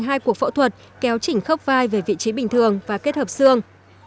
hai cuộc phẫu thuật kéo chỉnh khớp vai về vị trí bình thường và kết hợp xương